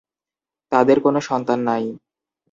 তাদের কোনো সন্তান নাই।